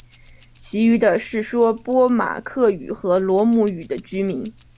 其余的是说波马克语和罗姆语的居民。